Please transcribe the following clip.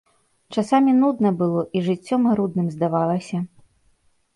Часамі нудна было, і жыццё марудным здавалася.